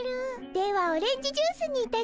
ではオレンジジュースにいたしましょう。